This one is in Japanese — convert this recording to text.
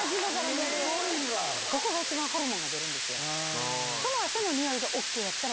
ここが一番ホルモンが出るんですよ。